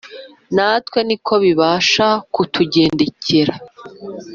. Natwe niko bibasha kutugendekera.